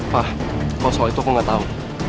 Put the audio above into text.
pak kalau soal itu aku gak tahu